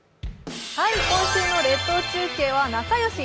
今週の列島中継はなかよし！